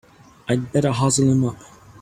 I'd better hustle him up!